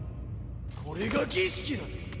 これが儀式だと！？